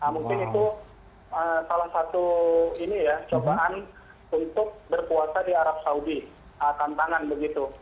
mungkin itu salah satu ini ya cobaan untuk berpuasa di arab saudi tantangan begitu